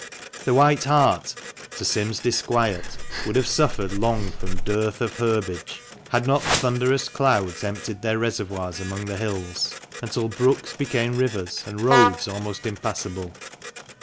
The "White Hart," to Sim's disquiet, would have suffered long from dearth of herbage, had not thunderous clouds emptied their reservoirs amongst the hills, until brooks became rivers, and roads almost impassable.